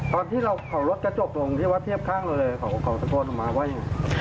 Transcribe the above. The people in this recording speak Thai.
ตอนที่เราขอรถกระจกตรงที่วัดเทียบข้างเราเลยเขาก็เขาตะโกนออกมาว่าอย่างงี้